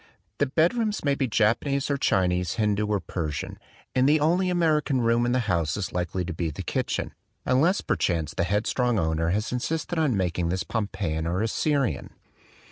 The bed rooms may be Japanese or Chinese, Hindu or Persian; and the only American room in the house is likely to be the kitchen, unless per chance the headstrong owner has insisted on making this Pompeian or Assyrian.